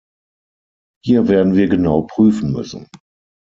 Hier werden wir genau prüfen müssen.